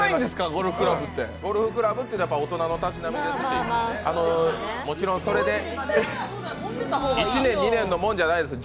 ゴルフクラブというのは大人のたしなみですしもちろんそれで１年、２年のものじゃないんですよ。